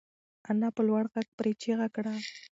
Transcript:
انا په لوړ غږ پرې چیغه کړه.